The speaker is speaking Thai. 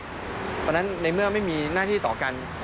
เพราะฉะนั้นในเมื่อไม่มีหน้าที่ต่อกัน